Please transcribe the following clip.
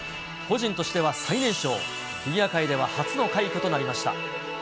個人としては最年少、フィギュア界では初の快挙となりました。